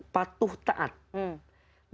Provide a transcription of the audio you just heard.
yang ketiga khusyuk itu artinya kuduki